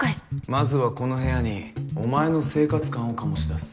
まずはこの部屋にお前の生活感を醸し出す。